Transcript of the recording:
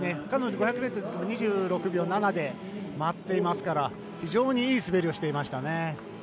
彼女５００ｍのときも２６秒７で回っていますから非常にいい滑りをしていました。